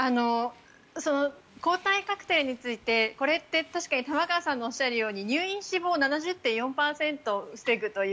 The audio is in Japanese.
抗体カクテルについてこれって確かに玉川さんがおっしゃるように入院、死亡７０．４％防ぐという。